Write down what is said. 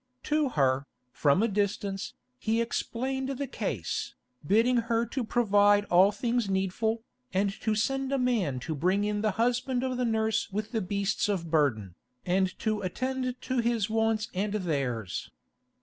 To her, from a distance, he explained the case, bidding her to provide all things needful, and to send a man to bring in the husband of the nurse with the beasts of burden, and attend to his wants and theirs.